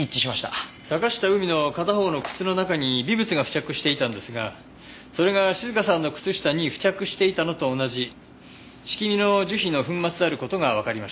坂下海の片方の靴の中に微物が付着していたんですがそれが静香さんの靴下に付着していたのと同じシキミの樹皮の粉末である事がわかりました。